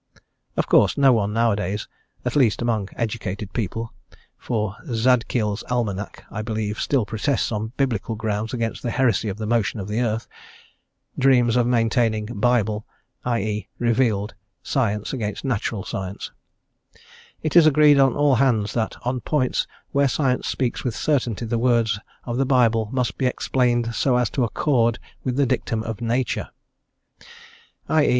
Of course no one nowadays (at least among educated people, for Zadkiel's Almanac I believe still protests on Biblical grounds against the heresy of the motion of the earth) dreams of maintaining Bible, i e., revealed, science against natural science; it is agreed on all hands that on points where science speaks with certainty the words of the Bible must be explained so as to accord with the dictum of nature; _i e.